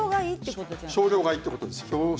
少量がいいということですね。